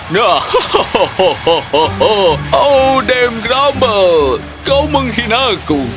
nah hahaha oh dam grumble kau menghina aku